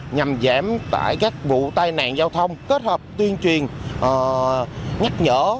nhằm giảm tải các vụ tai nạn giao thông kết hợp tuyên truyền nhắc nhở